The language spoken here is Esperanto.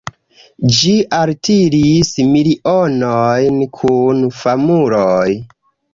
Ĝi altiris milionojn kun famuloj.